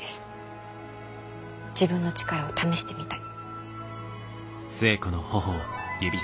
自分の力を試してみたい。